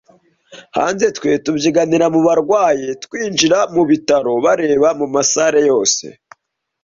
hanze twe tubyiganira mu barwayi twinjira mu bitaro bareba mu masale yose